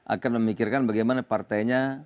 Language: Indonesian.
akan memikirkan bagaimana partainya